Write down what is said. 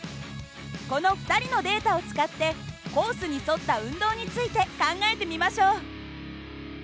この２人のデータを使ってコースに沿った運動について考えてみましょう。